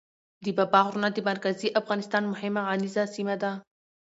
د بابا غرونه د مرکزي افغانستان مهمه غرنیزه سیمه ده.